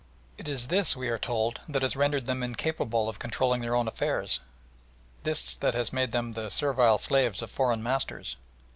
It is this, we are told, that has rendered them incapable of controlling their own affairs, this that has made them "the servile slaves of foreign masters."